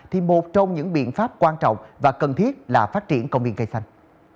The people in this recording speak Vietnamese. thì một trong những biện pháp quan trọng và cần thiết là phát triển công viên cây xanh